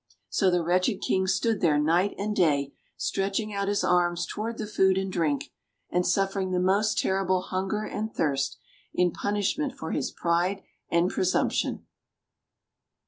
So the wretched King stood there night and day, stretching out his arms toward the food and drink, and suffering the most terrible hunger and thirst, in punishment for his pride and presumption.